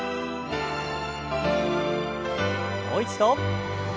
もう一度。